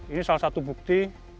ini salah satu bukti